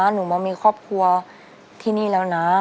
หนูมามีครอบครัวที่นี่แล้วนะ